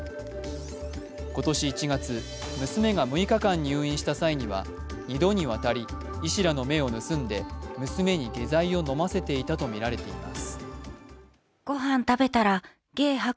今年１月、娘が６日間入院した際には２度にわたり医師らの目を盗んで娘に下剤を飲ませていたとみられています。